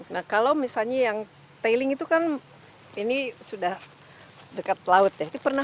nah kalau misalnya yang tailing itu kan ini sudah dekat laut ya